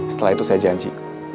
setelah itu saya janji